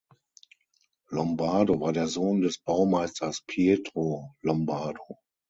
Lombardo war der Sohn des Baumeisters Pietro Lombardo.